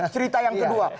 cerita yang kedua